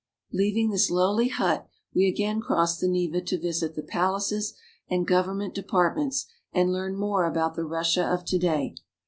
Leaving this lowly hut, we again cross the Neva to visit the palaces and government departments, and learn more about the Russia of to day.